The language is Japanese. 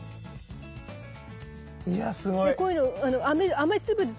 いやすごい！